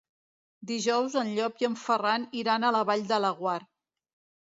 Dijous en Llop i en Ferran iran a la Vall de Laguar.